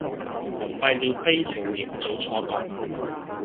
蒙蔽了悲情營造錯覺